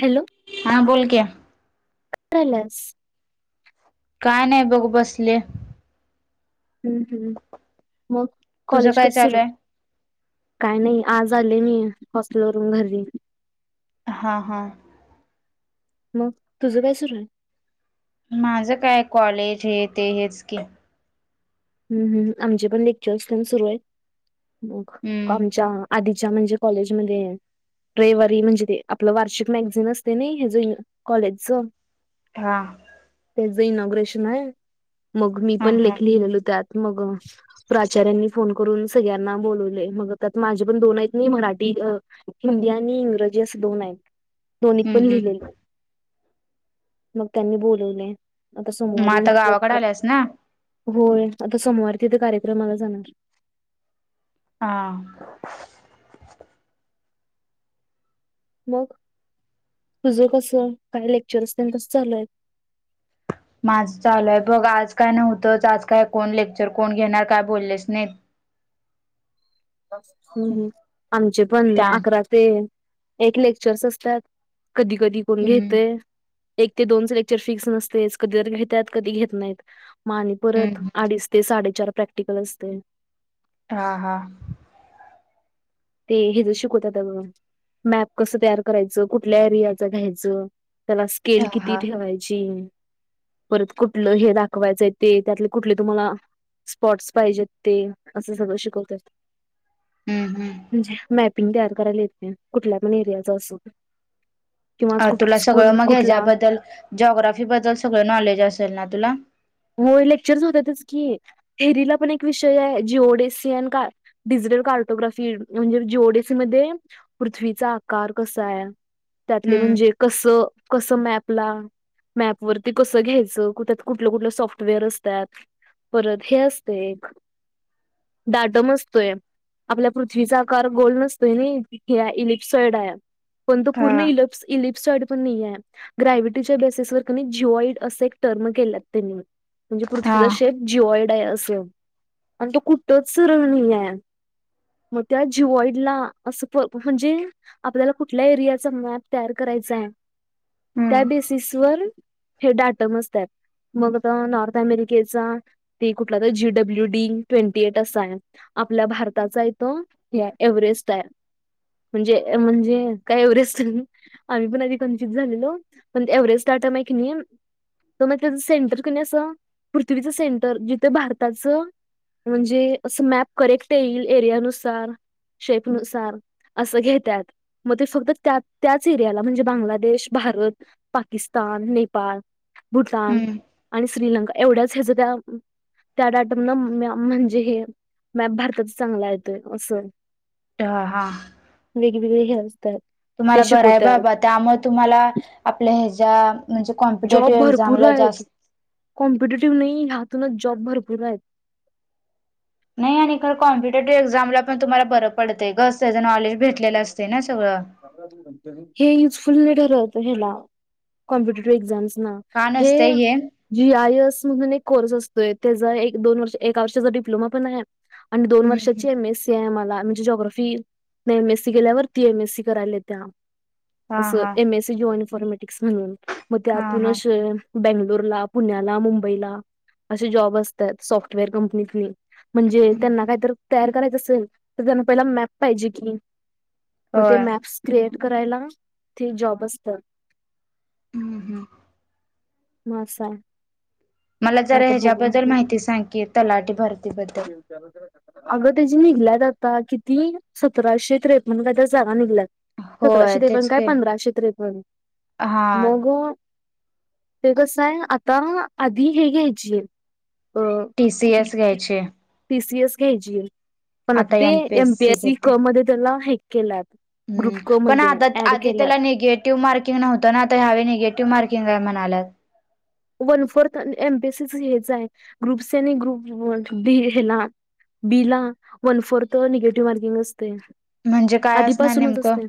Hello! हा बोल की काय कराल्यास काय नाही बघू बसलीय. हम्म हम्म मग तुझं कॉलेज काय कस सुरू चालू आहे? काय नाही. आज आले मी हॉस्टेलवरून घरी. हा हा. मग तुझं काय सुरू आहे? माझं काय कॉलेज हे ते हेच की. हम्म हम्म आमचे पण लेक्चर्स पण सुरू आहेत. हम्म आमच्या आधीच्या म्हणजे कॉलेजमध्ये रविवारी म्हणजे ते आपलं वार्षिक मॅगझिन असते नाय ह्याज कॉलेजच हा. त्याच इनॉग्रेशन आहे. मग मी हा पण हा लेख लिहिलेलो त्यात मग प्राचार्यांनी फोन करून सगळ्यांना बोलवलय मग त्यात माझे पण दोन आहेत नाही मराठी अह हिंदी आणि इंग्रजी असे दोन आहेत. दोन्हीत हम्म पण लिहिले. हम्म मग त्यांनी बोलवले आता मग सोमवारी, आता गावाकडे [unintelligible] आल्यास ना होय आता सोमवार तिथे कार्यक्रमाला जाणार हा. मग तुझं कस, पण लेक्चर्स पण कस चालू आहे? माझं चालू आहे बघ आज काय नव्हतंच आज काय कोण लेक्चर कोण घेणार काय बोललेच नाहीत हम्म आमचे पण त्या अकरा ते एक लेक्चर्स असतात कधी कधी कोण हम्म घेतय. एक ते दोनच लेक्चर फिक्स नसतेच कधीतरी घेतात कधी घेत नाहीत. म आणि परत हम्म अडीच ते साडेचार प्रॅक्टिकल असतय. हा हा ते हे जे शिकवतात म मॅप कसं तयार करायचं कुठल्या एरियाच घ्यायचं त्याला हा स्केल किती हा ठेवायची परत कुठलं हे दाखवायचं ते त्यातले कुठले तुम्हाला स्पॉट्स पाहिजेत ते असं सगळं शिकवत्यात. हम्म हम्म म्हणजे मॅपिंग तयार करायला येते कुठल्या पण एरियाच असो. किंवा अ तुला सगळं स्कूल मग कुठला ह्याच्याबद्दल जॉग्राफी बद्दल सगळं नॉलेज असेल ना तुला होय, लेक्चर होतातच की थेरीला पण एक विषय आहे जी ओ डी सी अन काळ डिजिटल कार्टोग्राफी म्हणजे जी ओ डी सी मध्ये पृथ्वीचा आकार कसा ये. त्यातले हम्म म्हणजे कस कसं मॅपला मॅप वरती कसं घ्यायचं कुठं कुठलं कुठलं सॉफ्टवेअर असत्यात परत हे असते एक डाटम असतोय. आपल्या पृथ्वीचा आकार गोल नसतोय नाई ईलिप्ससाईड पण तो पूर्ण हा ईलप्स इलिप्साॅइड पण नाहीये ग्रॅव्हीटीच्या बेसेसवर का नी जीवाॅईड अस टर्म केला त्यांनी म्हणजे हा पृथ्वीचा शेप जीवाॅईड आहे असं आणि तो कुठच सरळ नाहीये. मग त्या जिवाॅईडला असं प म्हणजे आपल्याला कुठल्या एरियाचा मॅप तयार करायचा ये. त्या हम्म बेसिस वर हे डाटा मोजत्यात मग नॉर्थ अमेरिकेचा ते कुठला तर G W D twenty eight असा आहे. आपल्या भारताचा आहेे तो एव्हरेस्ट आहे. म्हणजे म्हणजे काय एवरेस्ट आम्ही पण आधी कंचित झालेलो पण एव्हरेस्ट डाटा आहे की नाही तर मग त्याच सेंटर क नी असं पृथ्वीच सेंटर जिथं भारताचं म्हणजे असं मॅप करेक्ट येईल एरियानुसार, शेपनुसार असं घेत्यात मग ते फक्त त्या त्याच एरियाला म्हणजे बांगलादेश भारत पाकिस्तान नेपाळ भूटान हम्म आणि श्रीलंका एवढ्याच ह्याच त्या त्या डाटम न म्हणजे हे मॅप भारताचा चांगला येतोय असं दहा वेगवेगळे हे असतात. तुम्हाला ते बरं आहे शिकवत्यात बाबा त्यामुळे तुम्हाला आपल्या ह्याच्या म्हणजे जॉब कॉम्पिटेटिव्ह एक्झाम भरपूर ला आहेत. जास्त कॉम्पिटेटिव्ह नाही ह्यातूनच जॉब भरपूर आहेत. नाही आणि खर कॉम्पिटेटिव्ह एक्झामला पण तुम्हाला बर पडते ग त्याच नॉलेज भेटलेलं असते ना सगळं हे युजफुल नाही ठरत ह्याला कॉम्पिटेटिव्ह एक्झाम्स ना का नसते हे जी आय एस म्हणून एक कोर्स असतोय त्याचा एक दोन वर्ष एका वर्षाचा डिप्लोमा पण आहे. आणि दोन हम्म वर्षाची एम एस सी आहे मला म्हणजे जॉग्राफी नाही एम एस सी केल्यावर ती एम एस सी करायला येत्या हा असं हा एम एसी जॉईन फॉर्मॅटिक्स म्हणून मग हा हा त्यातूनच बेंगलोरला पुण्याला मुंबईला अशे जॉब असतात सॉफ्टवेअर कंपनी तिघ म्हणजे त्यांना काय तर तयार करायचं असेल तर त्यांना पहिला मॅप पाहिजे की. म ते होय मॅप्स क्रिएट करायला ते जॉब असतात. हम्म हम्म. म आसाय. मला जरा ह्याज्याबद्दल माहिती सांगी तलाठी भारतीबद्दल. अगं त्याची निघल्यात आता किती सतराशे त्रेपन्न काय तर जागा निघल्यात. सतराशे होय त्रेपन्न तेच काय, की पंधराशे त्रेपन्न हा मग ते कसं आय आता आधी हे घ्यायची टी सी एस घ्यायचे. पी सी एस घ्यायची पण आता ते एम पी एस सी क मध्ये त्याला हे केलाय. हम्म, पण आदा- आधी त्याला निगे टिव्ह मार्किंग नव्हत ना आता ह्या वेळी निगेटिव्ह मार्किंग आय म्हणायल्यात. One fourth M P S C च हेच आय ग्रुप सी आणि ग्रुप बी हेला बी ला वन फोरथ निगेटिव्ह मार्किंग असतंय म्हणजे काय असणार आधीपासूनच नेमकं असतंय.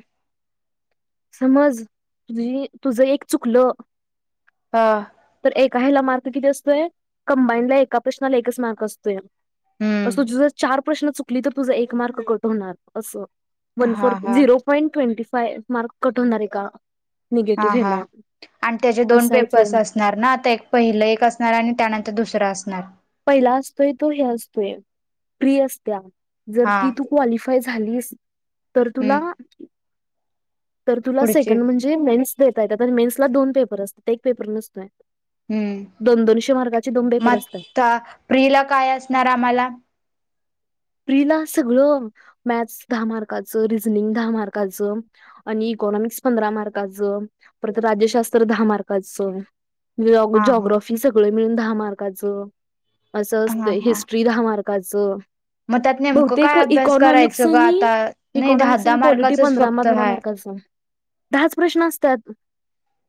समज जरी तुझं एक चुकलं. हा. तर एका ह्याला मार्क किती असतोय कम्बाईनला एका प्रश्नाला एकच मार्क असतोय. हम्म अस तुझ जर चार प्रश्न चुकली तर तुझं एक मार्क कट होणार असं. वन फोर हा हा zero point twenty five mark cut होणार एक हा हा आणि त्याचे दोन पेपर्स असायचे असत असणार ना आता एक पहिलं एक असणार आणि त्यानंतर दुसरं असणार? पहिला असतोय तो हे असतोय प्रि असत्या जर हा ती तू क्वालिफाय झालीस तर हम्म तुला तर तुला पुढची सेकंड म्हणजे मेन्स देता येत मेन्सला दोन पेपर असतात एक पेपर नसतो. हम्म दोन- दोनशे मार्गाचे दोन पेपर असत्यात. प्रि ला काय असणार आम्हाला? प्रि ला सगळं मॅथस दहा, मार्काचं रिझनिंग दहा मार्काचं आणि इकॉनॉमिक्स पंधरा मार्काचं, परत राज्यशास्त्र दहा मार्काचं हा हा जॉग्राफी सगळ मिळून दहा मार्काचं असं असत. हा हा हिस्ट्री दहा मार्क कच. मग त्यात नेमकं बहुतेक काय अभ्यास इकॉनॉमिक्स करायचं ग आणि आता नाही दहा इकॉनॉमिक्स आणि दहा पॉलिटी मार्काचच पंधरा फक्त पंधरा हाय. मार्काचा. दहाच प्रश्न असत्यात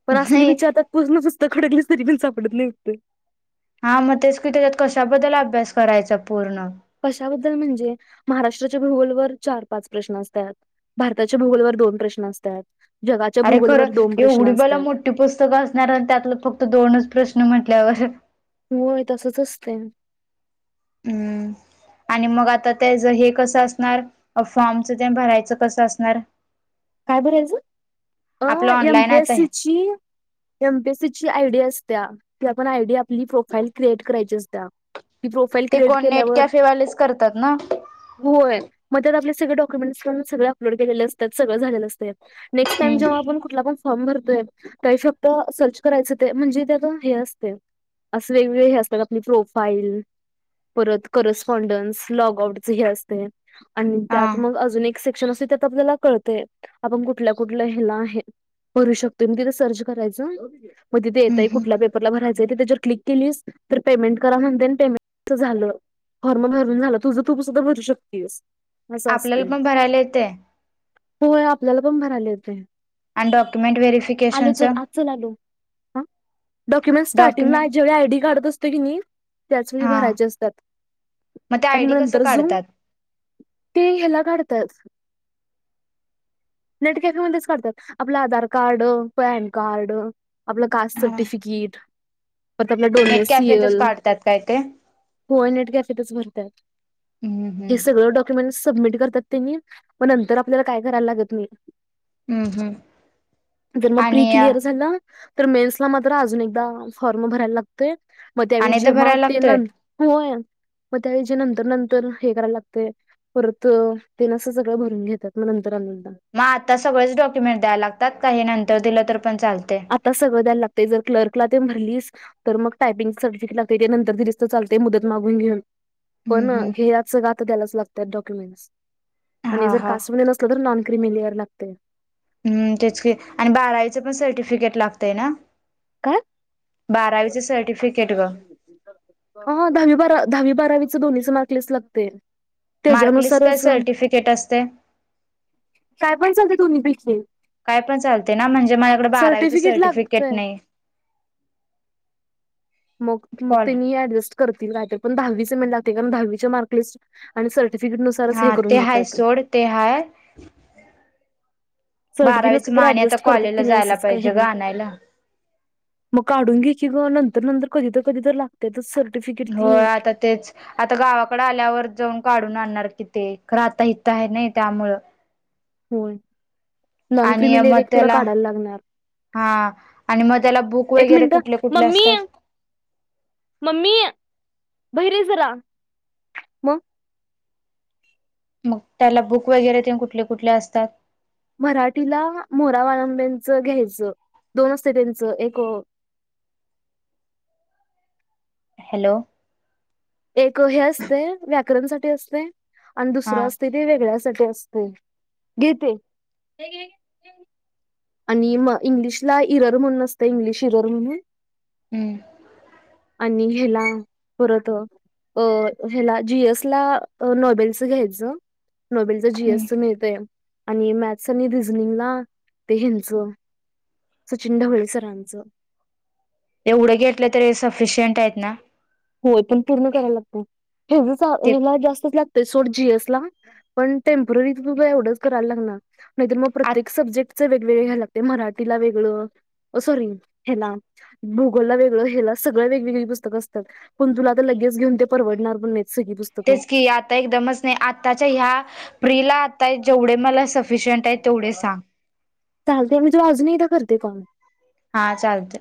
पण असली नाही विचारतात पूसण पुस्त खडकलीस तरी पण सापडत नाय उत्तर. हा म तेच की त्याच्यात कशाबद्दल अभ्यास करायचा पूर्ण? कशाबद्दल म्हणजे महाराष्ट्राच्या भूगोल वर चार पाच प्रश्न असत्यात. भारताच्या भूगोलवर दोन प्रश्न असत्यात. अरे खरं एवढी बल मोठी पुस्तकं असणार आणि त्यातलं फक्त दोनच प्रश्न म्हटल्यावर व्हय तसच असतंय. हम्म, आणि मग आता त्याच हे कसं असणार अ फॉर्मच ते भरायचं कसं असणार? काय भरायचं? अ आपलं एम ऑनलाईन पी एस आता सी ची एम पी एस सी ची आयडी असत्या ती आपण आयडी आपली प्रोफाईल क्रिएट करायची असतिया. ते कोण नेट कॅफेवालेच करतात ना? होय म त्यात आपले सगळे डॉक्युमेंट् सगळे अपलोड केलेले असत्यात सगळं झालेलं असतंय. नेक्स्ट टाईम हम्म. जेव्हा आपण कुठला पण फॉर्म भरतोय, [unintelligible] सर्च करायचं ते, म्हणजे त्यात हे असते. असं वेगवेगळे हे असतात आपली प्रोफाईल परत करस्पॉन्डन्स, लॉग आउटचही असतंय आणि हा त्यात मग अजून एक सेक्शन असते. त्यात मग आपल्याला कळतं ते. आपण कुठल्या, कुठल्या ह्याला हे भरू शकतो. मग तिथे सर्च करायचं. मग तिथं हम्म येतयं, हम्म. कुठल्या पेपरला भराय त्याच्या क्लिक केली तर पेमेंट करा म्हणते, पेमेंट झालं फॉर्म भरून झालं. तुझं तू सुद्धा भरू शकतेस. आपल्याला पण भरायला येते. होय आपल्याला पण भराले येतंय. आणि डॉक्युमेंट [inaudible] आलो व्हेरिफिकेशनच चल, आत चल आलो. हा डॉक्युमेंटस स्टार्टिंगला डॉक्युमेंट ज्यावेळी आयडी कार्ड असतो की नाही, त्याच वेळी हा भरायचे असतात. मग ते आणि आयडी कसं नंतर झूम काढतात? ते ह्याला काढतात नेट कॅफे मध्येच काढतात. आपलं आधार, कार्ड पॅन कार्ड आपलं कास्ट सर्टिफिकेट, परत आपला नेट कॅफेतच डोमेसीएल. काढतात काय ते होय नेट कॅफेतच भरतात. हम्म हम्म. हे सगळं डॉ क्युमेंट सबमिट करतात त्यांनी. मग नंतर आपल्याला काय करायला लागत नाही. हम्म हम्म [inaudible] ज्यानं प्री आणि क्लिअर झालं तर मेन्सला मात्र अजून एकदा फॉर्म भरायला लागतोय, मग त्यावेळी आणि एकदा जेव्हा भरायला ते लागतोय नंत होय. मग त्यावेळी जे नंतर नंतर हे करायला लागतंय. परत तेन असं सगळं भरून घेतात मग नंतर अजून एकदा. मग आता सगळेच डॉक्युमेंट द्यायला लागतात का, नंतर दिलं तरी पण चालते? आता सगळं द्यायला लागतंय. जर क्लर्कला तु भरलीस तर मग टायपिंग सर्टिफिकेट ते काय नंतर दिले तरीस चालते, मुदत मागून घेऊन. हम्म पण हम्म. हे आत सगळेच द्यायला लागता डॉक्युमेंटस. आणि हा जर हा कास्ट मध्ये नसली तर नॉन क्रीमीलियर लागते. हम्म तेच की आणि बारावीचे पण सर्टिफिकेट लागतंय ना. काय? बारावीचे सर्टिफिकेट गं. हो दहावी, बारावी, दहावी बारावीचं दोन्हीच मार्कलेस लागतंय. मार्कलिस्ट काय सर्टिफिकेट असतंय. काय पण सांगते, तुम्ही भिक काय पण चालते ना, म्हणजे माझ्याकडे बारावीच सर्टिफिकेट नाही. [inaudible] मग, मग कॉल तेनी ऍडजस्ट करतील माहिते. कारण दहावीचं मेन लागते, दहावीचा मार्कलीस्ट आणि सर्टिफिकेट नस हा ते हाय सोड, ते हाय. सर्टिफिकेट बारावीच नसलं म तर आणि आता ऍडजस्ट करतात, कॉलेजला जायला मानसच काय हे पाहिजे ग नाय. आणायला. मग काढून घ्यायची गं. नंतर, नंतर कधी तर कधी तर लाग सर्टिफि होय आता तेच आता गावाकडे आल्यावर, जाऊन काढून आणणार कि ते. खंर आता इथे आहे ना त्यामुळं. होय. नॉन आणि क्रिमीलेयर मग एक तुला त्याला काढायला लागणार. हा. आणि मग त्याला बुक एक वगैरे मिनिट कुठले, कुठले मम्मी असतात? मम्मी. भैयर ये जरा. मग मग त्याला बुक वगैरे तेन, कुठले कुठले असतात? मराठीला मोरा वाळंब्यांचं घ्यायचं. दोन असते त्यांचं. एक हॅलो. एक हे असतय, व्याकरण साठी असते. आणि दुसरं हा असते ते वेगळ्यासाठी असतय. घेते. आणि म इंग्लिशला, इरर म्हणून असतय. इंग्लिश इरर म्हणून. हम्म. आणि हे्ला, परत अ ह्याला जी एस ला, नॉबेल्सच घ्यायचं. नॉबेल्स जी एस च मिळतय. आणि मॅथ आणि रिनिंगला ते हेनच सचिन ढवळे सरांचं. एवढं घेतलं तरी सफिशियंट आहेत ना. होय पण पूर्ण करायला लागतय. हेवढच ते हेला जास्तच लागतय. सोड जी एस ला. पण टेम्पररी एवढंच करायला लागणार. नाही तर मग आ प्रत्येक सब्जेक्ट च वेगवेगळ घ्यायला लागते. मराठीला वेगळं ओ सॉरी हेला. गुगलला वेगळं. हेला सगळं वेगवेगळी पुस्तकं अस तात. पण तुला तर लगेच घेऊन ते परवडणार पण नाही. सगळी पुस् तेच की, आता एकदमच नाही. आताच्या ह्या प्रिला आता जेवढे मला स अफिशयट आहे तेवढे सांग? चालतेय मी अजून एकदा करते कोम. हा चालते.